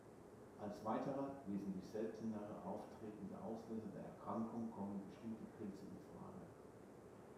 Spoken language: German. Als weiterer -wesentlich seltenere auftretender Auslöser der Erkrankung kommen bestimmte Pilze in Frage.